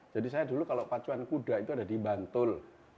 jadi saya dulu kalau pacuan kuda itu ada di bantul